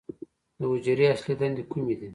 د حجرې اصلي دندې کومې دي؟